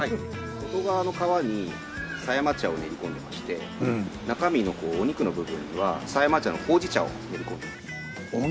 外側の皮に狭山茶を練り込んでまして中身のお肉の部分には狭山茶のほうじ茶を練り込んでいます。